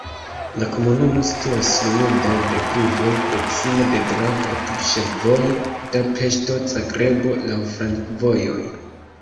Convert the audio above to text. La komunumo situas sur mildaj deklivoj, proksime de Dravo, apud ĉefvojo Budapeŝto-Zagrebo, laŭ flankovojoj.